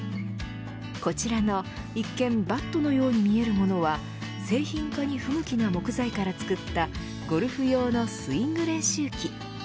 こちらの一見バットのように見えるものは製品化に不向きな木材から作ったゴルフ用のスイング練習器。